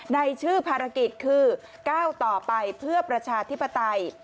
ในชื่อภารกิจคือก้าวต่อไปเพื่อประชาธิปไตย